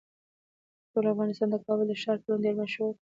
ټول افغانستان د کابل د ښار په نوم ډیر مشهور دی.